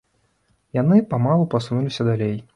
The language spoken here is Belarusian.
Яны памалу пасунуліся далей.